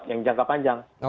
nah yang jangka panjang